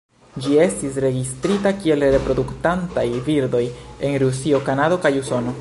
Ĝi estis registrita kiel reproduktantaj birdoj en Rusio, Kanado kaj Usono.